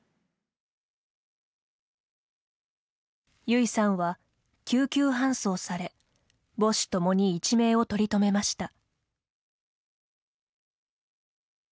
ゆいさんは、救急搬送され母子ともに一命を取り留めました。